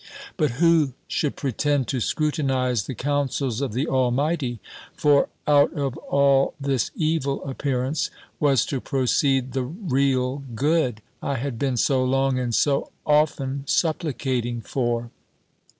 But who should pretend to scrutinize the councils of the Almighty? for out of all this evil appearance was to proceed the real good, I had been so long, and so often, supplicating for!